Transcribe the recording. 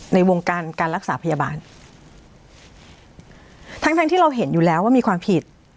ในวงการการรักษาพยาบาลทั้งทั้งที่เราเห็นอยู่แล้วว่ามีความผิด